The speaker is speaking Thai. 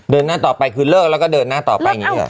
เดินหน้าต่อไปคือเลิกแล้วก็เดินหน้าต่อไปอย่างนี้หรอ